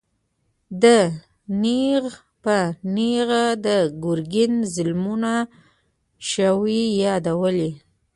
ده نېغ په نېغه د ګرګين ظلمونه نه شوای يادولای.